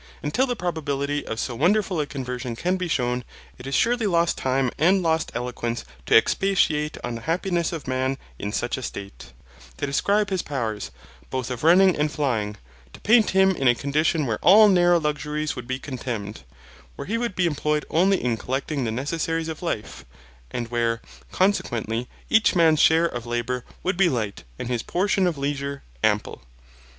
And till the probability of so wonderful a conversion can be shewn, it is surely lost time and lost eloquence to expatiate on the happiness of man in such a state; to describe his powers, both of running and flying, to paint him in a condition where all narrow luxuries would be contemned, where he would be employed only in collecting the necessaries of life, and where, consequently, each man's share of labour would be light, and his portion of leisure ample.